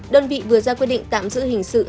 đơn vị vừa ra quyết định tạm giữ hình sự